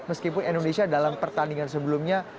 meskipun indonesia dalam pertandingan sebelumnya